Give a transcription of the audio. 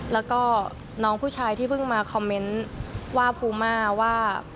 แล้วก็น้องผู้ชายที่เพิ่งมาคอมเมนต์ว่าภูมาว่า